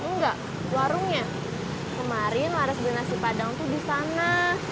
enggak warungnya kemarin harus beli nasi padang tuh di sana